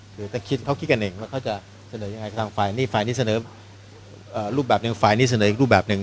คือเขาคิดกันเองว่าเขาจะเสนอยังไงฝ่ายนี้เสนอรูปแบบหนึ่งฝ่ายนี้เสนออีกรูปแบบหนึ่ง